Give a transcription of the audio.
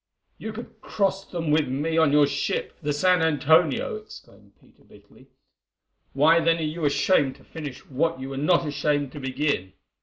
"You could cross them with me on your ship, the San Antonio," exclaimed Peter bitterly, "why then are you ashamed to finish what you were not ashamed to begin?